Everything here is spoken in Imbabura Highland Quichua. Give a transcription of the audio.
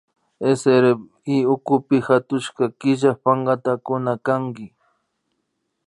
SRI ukupi hatushka killa pankata kunakanki